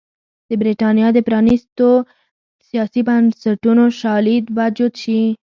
د برېټانیا د پرانېستو سیاسي بنسټونو شالید به جوت شي.